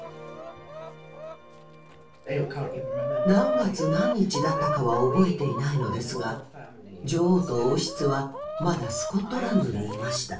何月何日だったかは覚えていないのですが女王と王室はまだスコットランドにいました。